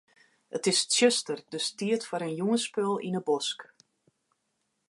It is tsjuster, dus tiid foar in jûnsspul yn 'e bosk.